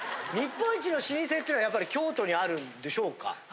日本一の老舗っていうのはやっぱり京都にあるんでしょうか？